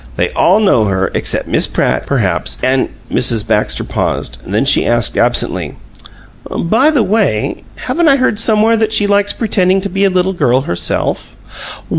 They all know her, except Miss Pratt, perhaps, and " Mrs. Baxter paused; then she asked, absently: "By the way, haven't I heard somewhere that she likes pretending to be a little girl, herself?"